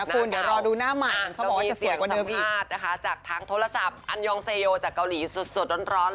ก็คือทำตาใช่ไหมคะทำตาสองชั้น